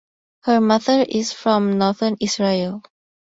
Her mother is from northern Israel.